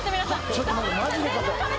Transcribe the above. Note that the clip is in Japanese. ちょっと待ってマジで硬い。